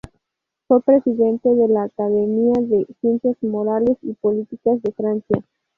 Fue presidente de la Academia de Ciencias Morales y Políticas de Francia.